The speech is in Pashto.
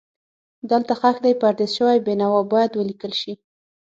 دلته ښخ دی پردیس شوی بېنوا باید ولیکل شي.